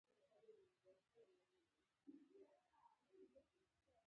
خیالي خنډونه د توکو او طریقو ډېر درناوی دی.